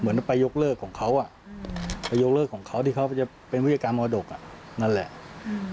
เหมือนไปยกเลิกของเขาอ่ะไปยกเลิกของเขาที่เขาจะเป็นผู้จัดการมรดกอ่ะนั่นแหละอืม